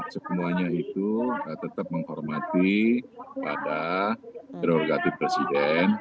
semuanya itu tetap menghormati kepada derogatif presiden